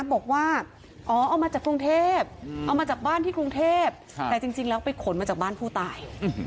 บอกว่าอ๋อเอามาจากกรุงเทพเอามาจากบ้านที่กรุงเทพแต่จริงแล้วไปขนมาจากบ้านผู้ตาย